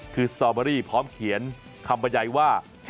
คือสตอเบอรี่พร้อมเขียนคำบรรยายว่า